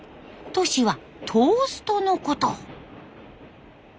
「多士」はトーストのこと。